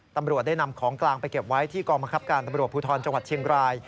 ตำรวจได้นำของกลางไปเก็บไว้ที่กองบังคับการตำรวจภูทรจังหวัดเชียงราย